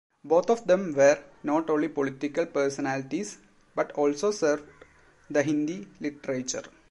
Both of them were not only political personalities, but also served the Hindi literature.